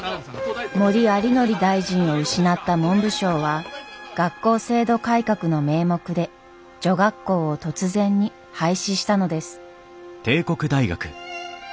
森有礼大臣を失った文部省は学校制度改革の名目で女学校を突然に廃止したのです。